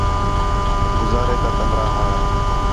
گُزارے تا کمرہ ہے